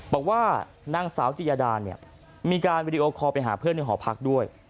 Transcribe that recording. บอกว่านางสาวจิยาดาเนี่ยมีการวิดีโอคอลไปหาเพื่อนในหอพักด้วย